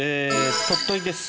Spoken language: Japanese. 鳥取です。